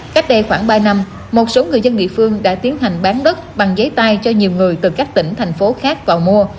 cách đây khoảng ba năm một số người dân địa phương đã tiến hành bán đất bằng giấy tay cho nhiều người từ các tỉnh thành phố khác vào mua